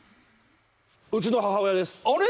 うちの母親ですあれ？